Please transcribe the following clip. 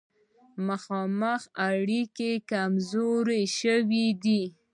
مخامخ اړیکې کمزورې شوې دي.